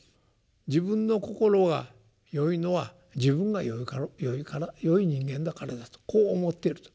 自分の心がよいのは自分がよいからよい人間だからだとこう思っていると。